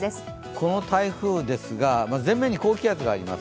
この台風ですが前面に高気圧があります。